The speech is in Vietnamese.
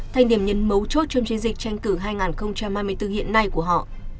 thành điểm nhấn mấu chốt trong chiến dịch tranh cử hai nghìn hai mươi bốn hiện nay của họ